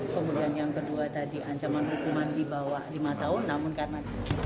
kemudian yang kedua tadi ancaman hukuman di bawah lima tahun namun karena